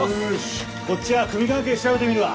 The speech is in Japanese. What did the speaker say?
こっちは組関係調べてみるわ。